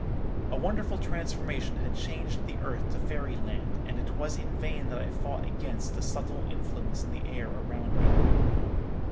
A wonderful transformation had changed the earth to fairy land, and it was in vain that I fought against the subtle influence in the air around me.